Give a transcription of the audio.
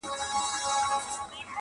څو دوکانه څه رختونه څه مالونه!!